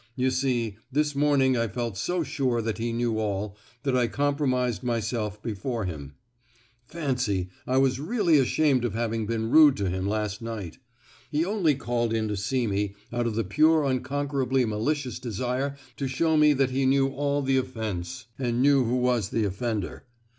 You see, this morning I felt so sure that he knew all, that I compromised myself before him. Fancy, I was really ashamed of having been rude to him last night. He only called in to see me out of the pure unconquerably malicious desire to show me that he knew all the offence, and knew who was the offender!